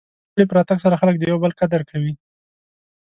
د سولې په راتګ سره خلک د یو بل قدر کوي.